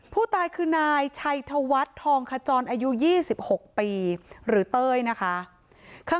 ผู้ตายคือนายชัยธวัฒน์ทองขจรอายุ๒๖ปีหรือเต้ยนะคะ